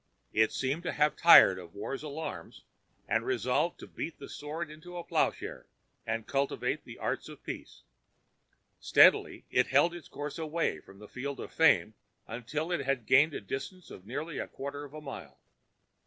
It seemed to have tired of war's alarms and resolved to beat the sword into a plowshare and cultivate the arts of peace. Steadily it held its course away from the field of fame until it had gained a distance of nearly a quarter of a mile.